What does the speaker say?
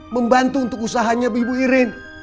membantu untuk usahanya ibu iren